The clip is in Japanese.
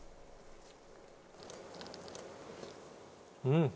うん！